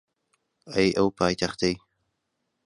ئەی ئەو پایتەختەی